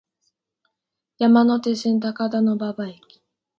山手線、高田馬場駅